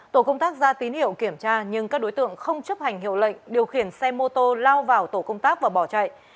tổ công tác ra tín hiệu kiểm tra nhưng các đối tượng không chấp hành hiệu lệnh điều khiển xe mô tô lao vào tổ công tác và bỏ chạy